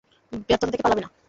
ব্যর্থতা থেকে পালাবে না!